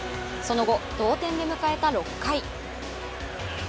その後、同点で迎えた６回。